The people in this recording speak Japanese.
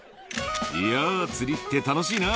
いやー、釣りって楽しいな。